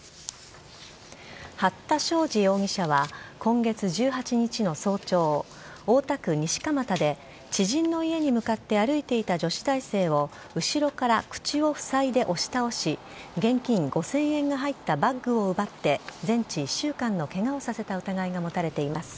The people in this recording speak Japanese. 八田しょうじ容疑者は、今月１８日の早朝、大田区西蒲田で、知人の家に向かって歩いていた女子大生を後ろから口を塞いで押し倒し、現金５０００円が入ったバッグを奪って、全治１週間のけがをさせた疑いが持たれています。